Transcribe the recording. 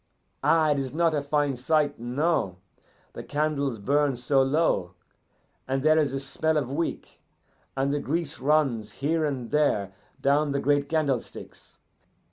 Ah, it is not a fine sight no. The candles burn so low, and there is a smell of wick, and the grease runs here and there down the great candlesticks.